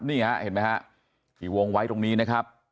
นี่เห็นมั้ยฮะอยู่วงไว้ตรงนี้นะครับ